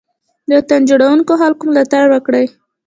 د وطن جوړونکو خلګو ملاتړ وکړئ.